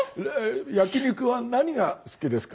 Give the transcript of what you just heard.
焼き肉は何が好きですか？